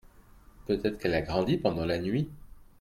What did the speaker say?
peut-être qu'elle a grandi pendant la nuit.